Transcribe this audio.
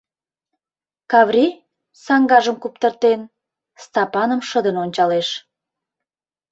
Каври, саҥгажым куптыртен, Стапаным шыдын ончалеш.